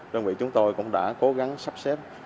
đơn vị chúng tôi cũng đã cố gắng sắp xếp